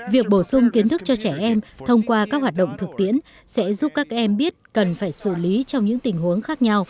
việc bổ sung kiến thức cho trẻ em thông qua các hoạt động thực tiễn sẽ giúp các em biết cần phải xử lý trong những tình huống khác nhau